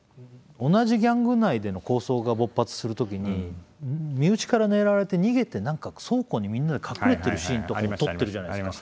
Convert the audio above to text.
同じギャング内での抗争が勃発する時に身内から狙われて逃げて倉庫にみんなで隠れてるシーンとかも撮ってるじゃないですか。